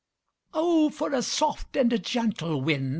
"O for a soft and gentle wind!"